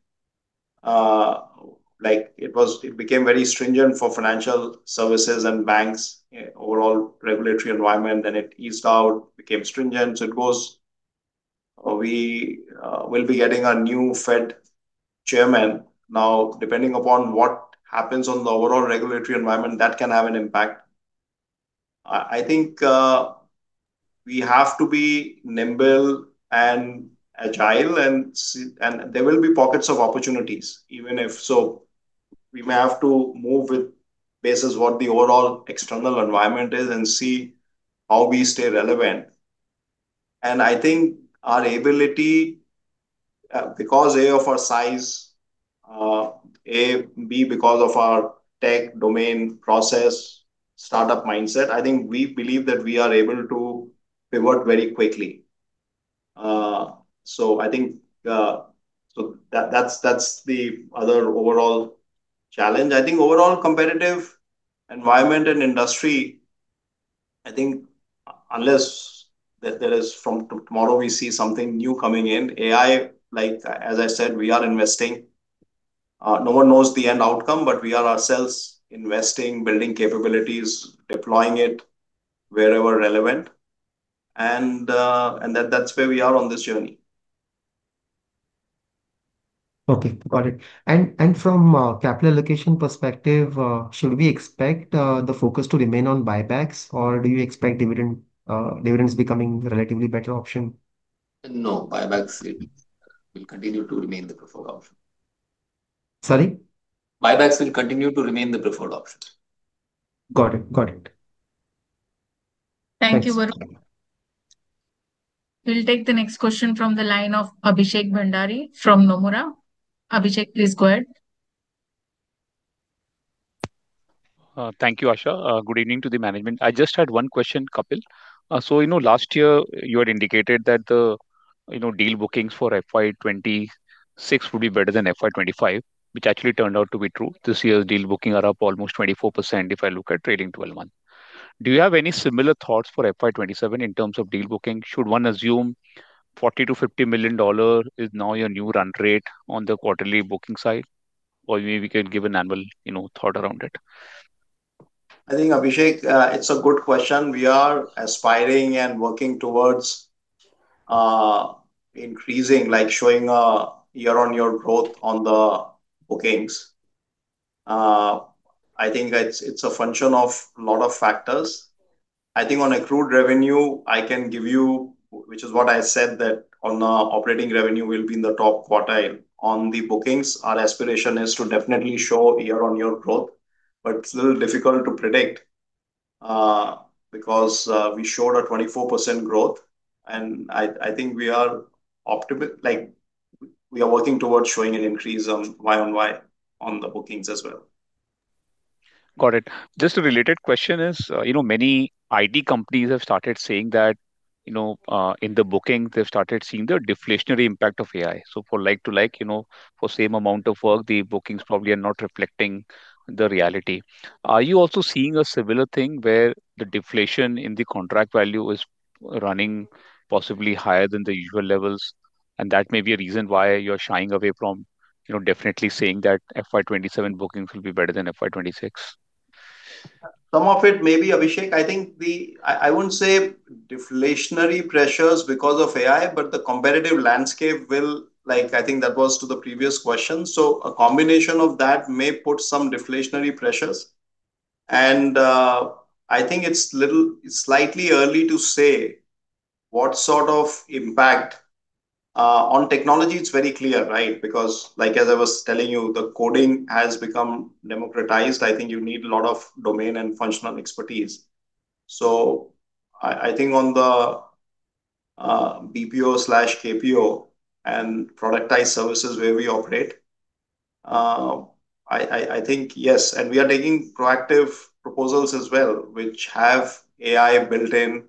Speaker 1: like it became very stringent for financial services and banks, overall regulatory environment, then it eased out, became stringent. We will be getting a new Fed chairman. Now, depending upon what happens on the overall regulatory environment, that can have an impact. I think we have to be nimble and agile and there will be pockets of opportunities, even if so. We may have to move with basis what the overall external environment is and see how we stay relevant. I think our ability, because, A, of our size, B, because of our tech domain process startup mindset, I think we believe that we are able to pivot very quickly. I think that's the other overall challenge. I think overall competitive environment and industry, I think unless there is from tomorrow we see something new coming in. AI, like as I said, we are investing. No one knows the end outcome. We are ourselves investing, building capabilities, deploying it wherever relevant. That's where we are on this journey.
Speaker 12: Okay, got it. From capital allocation perspective, should we expect the focus to remain on buybacks, or do you expect dividend dividends becoming relatively better option?
Speaker 1: Buybacks it will continue to remain the preferred option.
Speaker 12: Sorry?
Speaker 1: Buybacks will continue to remain the preferred option.
Speaker 12: Got it. Got it.
Speaker 3: Thank you, Varun. We'll take the next question from the line of Abhishek Bhandari from Nomura. Abhishek, please go ahead.
Speaker 13: Thank you, Asha. Good evening to the management. I just had one question, Kapil. You know, last year you had indicated that the, you know, deal bookings for FY 2026 would be better than FY 2025, which actually turned out to be true. This year's deal booking are up almost 24% if I look at trailing 12-month. Do you have any similar thoughts for FY 2027 in terms of deal booking? Should one assume $40 million-$50 million is now your new run rate on the quarterly booking side? Maybe we can give an annual, you know, thought around it.
Speaker 1: I think, Abhishek, it's a good question. We are aspiring and working towards increasing, like, showing a year-on-year growth on the bookings. I think that it's a function of a lot of factors. I think on accrued revenue I can give you Which is what I said that on the operating revenue we'll be in the top quartile. On the bookings, our aspiration is to definitely show year-on-year growth, but it's a little difficult to predict, because we showed a 24% growth and I think Like, we are working towards showing an increase on YoY on the bookings as well.
Speaker 13: Got it. Just a related question is, you know, many IT companies have started saying that, you know, in the booking they've started seeing the deflationary impact of AI. For like to like, you know, for same amount of work, the bookings probably are not reflecting the reality. Are you also seeing a similar thing where the deflation in the contract value is running possibly higher than the usual levels, and that may be a reason why you're shying away from, you know, definitely saying that FY 2027 bookings will be better than FY 2026?
Speaker 1: Some of it may be, Abhishek. I wouldn't say deflationary pressures because of AI, but the competitive landscape. I think that was to the previous question. A combination of that may put some deflationary pressures, and I think it's little slightly early to say what sort of impact. On technology it's very clear, right? Because, as I was telling you, the coding has become democratized. I think you need a lot of domain and functional expertise. I think on the BPO/KPO and productized services where we operate, I think, yes. We are taking proactive proposals as well which have AI built in,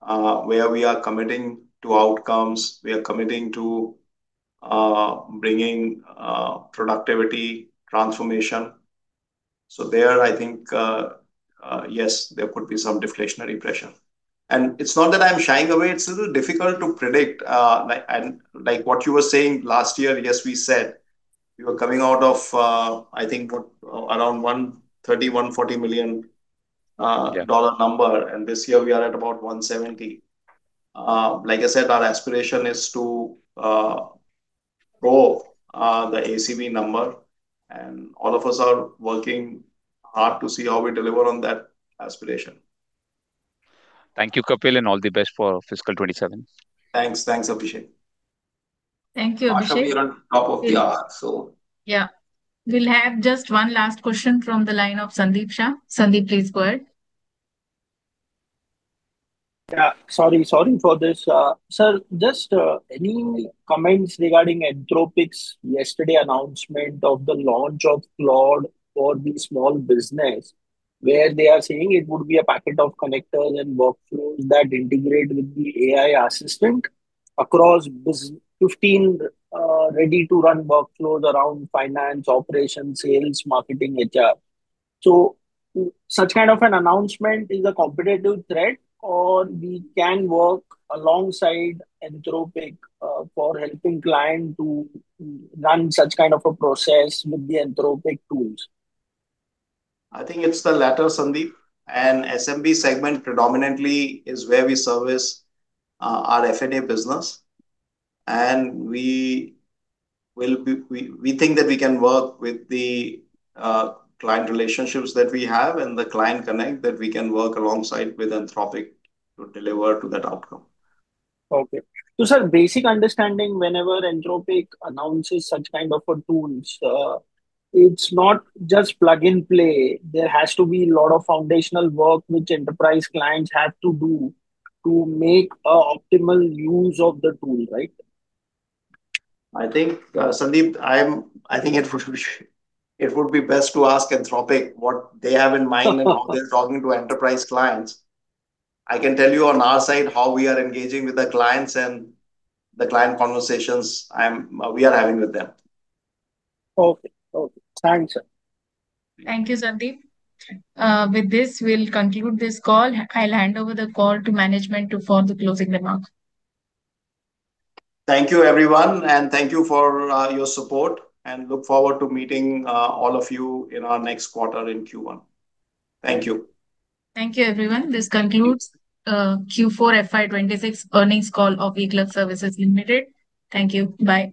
Speaker 1: where we are committing to outcomes, we are committing to bringing productivity transformation. There, I think, yes, there could be some deflationary pressure. It's not that I'm shying away, it's a little difficult to predict, like what you were saying, last year, yes, we said we were coming out of, I think what, around $130 million-$140 million.
Speaker 13: Yeah
Speaker 1: dollar number, and this year we are at about 170. Like I said, our aspiration is to grow the ACV number, and all of us are working hard to see how we deliver on that aspiration.
Speaker 13: Thank you, Kapil, and all the best for fiscal 2027.
Speaker 1: Thanks. Thanks, appreciate it.
Speaker 3: Thank you, Abhishek.
Speaker 1: Ashu, we are on top of the hour.
Speaker 3: Yeah. We'll have just one last question from the line of Sandeep Shah. Sandeep, please go ahead.
Speaker 4: Yeah, sorry. Sorry for this. sir, just any comments regarding Anthropic's yesterday announcement of the launch of Claude for the small business, where they are saying it would be a packet of connectors and workflows that integrate with the AI assistant across 15 ready-to-run workflows around finance, operations, sales, marketing, HR. Such kind of an announcement is a competitive threat, or we can work alongside Anthropic for helping client to run such kind of a process with the Anthropic tools?
Speaker 1: I think it's the latter, Sandeep. SMB segment predominantly is where we service, our F&A business, and We think that we can work with the client relationships that we have and the client connect that we can work alongside with Anthropic to deliver to that outcome.
Speaker 4: Okay. sir, basic understanding, whenever Anthropic announces such kind of a tools, it's not just plug and play. There has to be lot of foundational work which enterprise clients have to do to make a optimal use of the tool, right?
Speaker 1: I think, Sandeep, I think it would be best to ask Anthropic what they have in mind and how they're talking to enterprise clients. I can tell you on our side how we are engaging with the clients and the client conversations we are having with them.
Speaker 4: Okay. Okay. Thanks, sir.
Speaker 3: Thank you, Sandeep. With this, we'll conclude this call. I'll hand over the call to management for the closing remarks.
Speaker 1: Thank you, everyone, and thank you for your support, and look forward to meeting all of you in our next quarter in Q1. Thank you.
Speaker 3: Thank you, everyone. This concludes Q4 FY 2026 earnings call of eClerx Services Limited. Thank you. Bye.